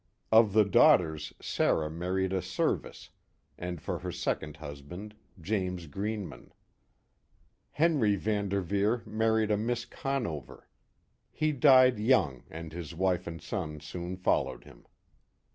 Of the daughters, Sarah, married a Serviss, and for her second husband, James Greenman. Henry Van Derveer married a Miss Conover. He died young, and his wife and son soon followed him.